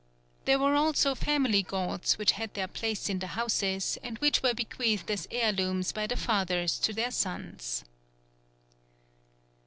There were also family gods which had their place in the houses, and which were bequeathed as heirlooms by the fathers to their sons.